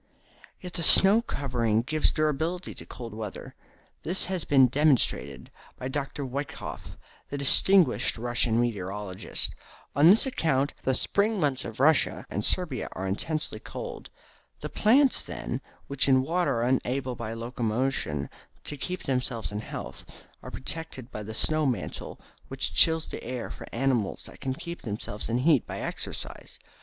Yet the snow covering gives durability to cold weather. This has been demonstrated by Dr. Woeikof, the distinguished Russian meteorologist. On this account the spring months of Russia and Siberia are intensely cold. The plants, then, which in winter are unable by locomotion to keep themselves in health, are protected by the snow mantle which chills the air for animals that can keep themselves in heat by exercise.